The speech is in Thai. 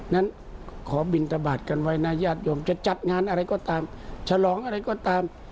นั้นขอบินทบาทกันไว้นะญาติโยมจะจัดงานอะไรก็ตามฉลองอะไรก็ตาม